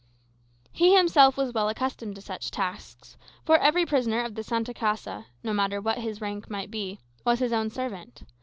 He himself was well accustomed to such tasks; for every prisoner of the Santa Casa, no matter what his rank might be, was his own servant.